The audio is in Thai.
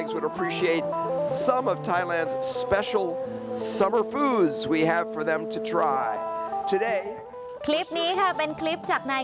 คลิปนี้ค่ะเป็นคลิปจากนาย